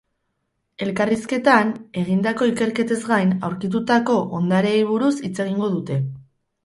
Elkarrizketan, egindako ikerketez gain, aurkitutako hondareei buruz hitz egingo dute.